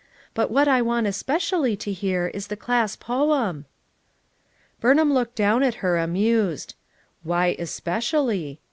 But what I want especially to hear is the class poem." Burnham looked down on her, amused. "Why especially?"